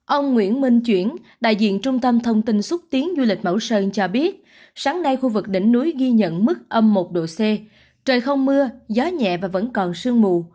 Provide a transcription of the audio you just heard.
ông nguyễn minh chuyển đại diện trung tâm thông tin xúc tiến du lịch mẫu sơn cho biết sáng nay khu vực đỉnh núi ghi nhận mức âm một độ c trời không mưa gió nhẹ và vẫn còn sương mù